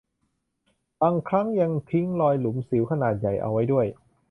บางครั้งยังทิ้งรอยหลุมสิวขนาดใหญ่เอาไว้ด้วย